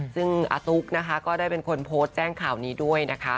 ซึ่งอาตุ๊กนะคะก็ได้เป็นคนโพสต์แจ้งข่าวนี้ด้วยนะคะ